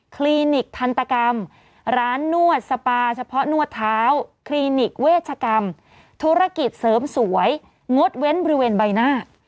คลินิกทันตกรรมร้านนวดสปาเฉพาะนวดเท้าคลินิกเวชกรรมธุรกิจเสริมสวยงดเว้นบริเวณใบหน้า